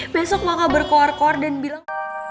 besok bakal berkor kor dan bilang